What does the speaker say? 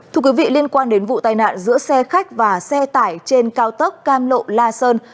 thưa quý vị liên quan đến vụ tai nạn giữa xe khách và xe tải trên cao tốc cam lộ la sơn